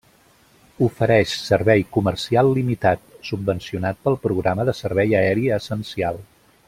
Ofereix servei comercial limitat, subvencionat pel programa de servei aeri essencial.